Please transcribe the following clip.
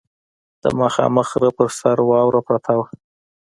د مخامخ غره پر سر واوره پرته وه.